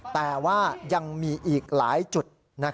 แต่ว่ายังมีอีกหลายจุด